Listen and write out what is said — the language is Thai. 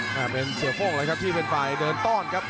แห่งมนตร์เสียเราฟ่องเลยครับที่เป็นฝ่ายเดินต้อนครับ